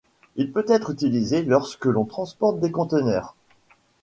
Il peut être utilisé lorsque l'on transporte des conteneurs.